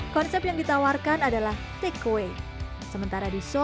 konsepnya seperti itu